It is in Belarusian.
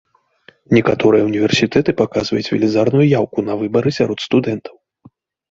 Некаторыя ўніверсітэты паказваюць велізарную яўку на выбары сярод студэнтаў.